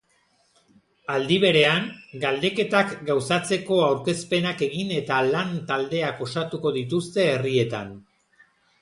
Aldi berean, galdeketak gauzatzeko aurkezpenak egin eta lan taldeak osatuko dituzte herrietan.